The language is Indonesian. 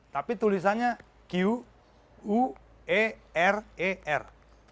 tapi tulisannya q u e r e r